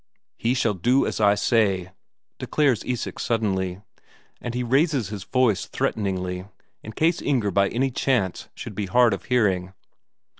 "He shall do as I say," declares Isak suddenly. And he raises his voice threateningly, in case Inger by any chance should be hard of hearing.